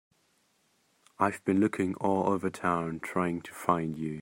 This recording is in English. I've been looking all over town trying to find you.